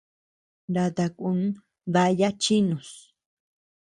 Nata kun daya chinus.